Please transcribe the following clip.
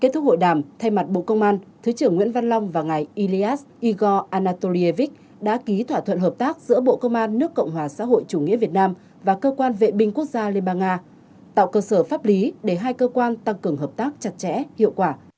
thứ trưởng nguyễn văn long và ngài elias igor anatolievich đã ký thỏa thuận hợp tác giữa bộ công an nước cộng hòa xã hội chủ nghĩa việt nam và cơ quan vệ binh quốc gia liên bang nga tạo cơ sở pháp lý để hai cơ quan tăng cường hợp tác chặt chẽ hiệu quả